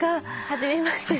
初めまして。